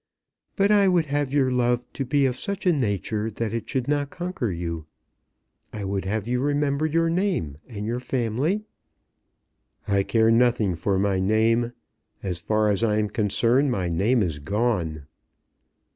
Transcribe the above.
But I would have your love to be of such a nature that it should not conquer you. I would have you remember your name and your family " "I care nothing for my name. As far as I am concerned, my name is gone."